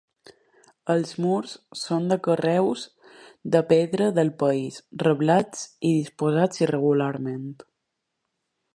Els murs són de carreus de pedra del país, reblats i disposats irregularment.